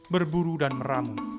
berburu dan meramu